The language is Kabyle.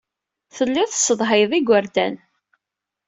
Telliḍ tessedhayeḍ igerdan.